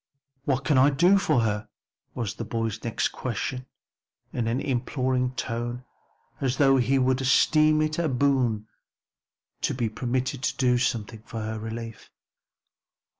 "What can I do for her?" was the boy's next question in an imploring tone as though he would esteem it a boon to be permitted to do something for her relief.